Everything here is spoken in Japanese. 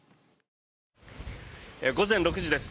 午前６時です。